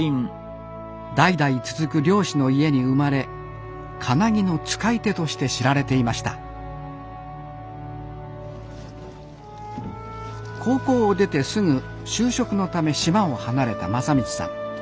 代々続く漁師の家に生まれかなぎの使い手として知られていました高校を出てすぐ就職のため島を離れた正道さん。